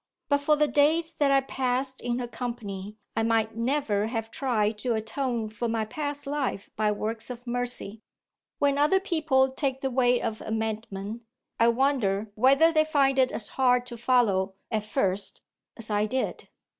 But for the days that I passed in her company, I might never have tried to atone for my past life by works of mercy. When other people take the way of amendment, I wonder whether they find it as hard to follow, at first, as I did?"